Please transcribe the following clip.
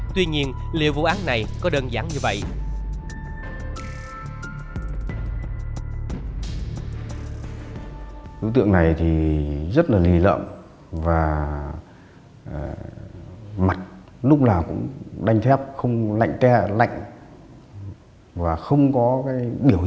tuy nhiên liệu vụ án này có đơn giản như vậy